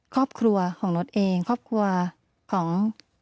ครอบครัวของโน๊ตเองครอบครัวของ